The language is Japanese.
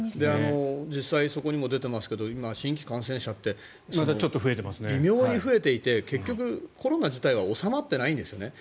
実際にそこにも出ていますが今、新規感染者って微妙に増えていて結局コロナ自体は収まっていないんですよね。